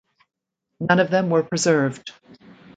None of them were preserved.